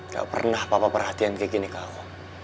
gak pernah papa perhatian kayak gini ke allah